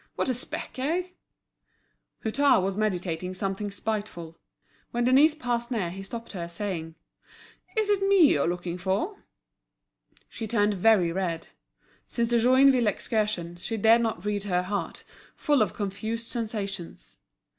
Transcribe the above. What a spec, eh?" Hutin was meditating something spiteful. When Denise passed near he stopped her, saying: "Is it me you're looking for?" She turned very red. Since the Joinville excursion, she dared not read her heart, full of confused sensations.